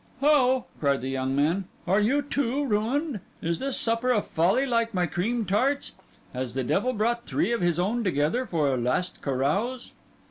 "How?" cried the young man. "Are you, too, ruined? Is this supper a folly like my cream tarts? Has the devil brought three of his own together for a last carouse?"